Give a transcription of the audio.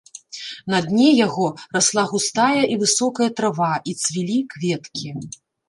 На дне яго расла густая і высокая трава і цвілі кветкі.